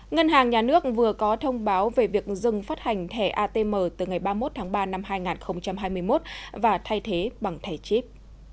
ngân hàng nhà nước vừa có thông báo về việc dừng phát hành thẻ atm từ ngày ba mươi một tháng ba năm hai nghìn hai mươi một và thay thế bằng thẻ chip